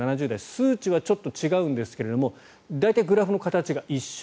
数値はちょっと違うんですが大体、グラフの形が一緒。